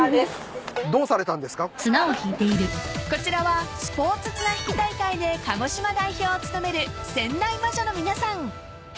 ［こちらはスポーツ綱引き大会で鹿児島代表を務めるせんだい魔女の皆さん］